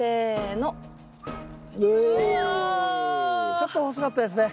ちょっと細かったですね。